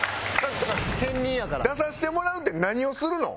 出させてもらうって何をするの？